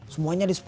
semuanya ada sepuluh